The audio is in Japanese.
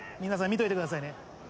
見といてくださいね。